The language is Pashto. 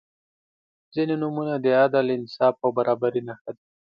• ځینې نومونه د عدل، انصاف او برابري نښه ده.